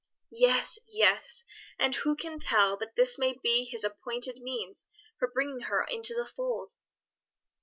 '" "Yes, yes; and who can tell but this may be His appointed means for bringing her into the fold!"